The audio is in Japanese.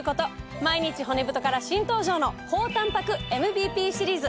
毎日骨太から新登場の高たんぱくＭＢＰシリーズ。